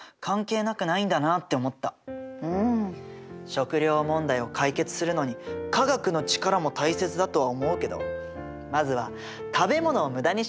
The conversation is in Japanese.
食料問題を解決するのに科学の力も大切だとは思うけどまずは食べ物を無駄にしないことかな？